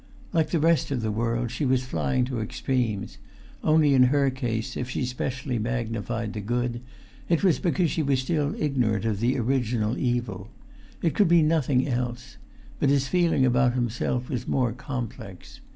Like the rest of the world, she was flying to extremes; only in her case, if she especially magnified the good, it was because she was still ignorant of the original evil. It could be nothing else; but his feeling about himself was more complex.